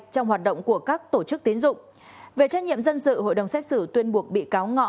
trong hoạt động của các tổ chức tiến dụng về trách nhiệm dân sự hội đồng xét xử tuyên buộc bị cáo ngọ